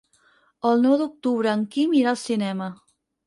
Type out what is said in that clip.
El nou d'octubre en Quim irà al cinema.